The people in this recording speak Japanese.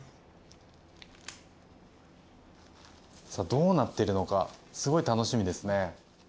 さあどうなってるのかすごい楽しみですね。